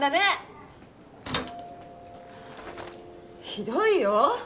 ひどいよ。